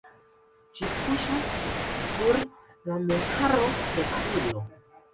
Ĝi kuŝas sur la Montaro de Avilo.